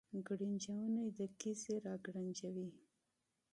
ګړنجونې د قیزې را ګړنجوي